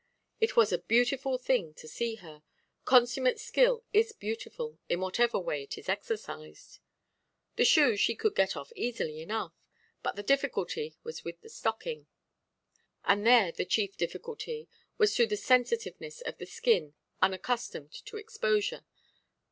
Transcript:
It was a beautiful thing to see her: consummate skill is beautiful, in whatever way it is exercised. The shoe she could get off easily enough, but the difficulty was with the stocking; and there the chief difficulty was through the sensitiveness of the skin, unaccustomed to exposure.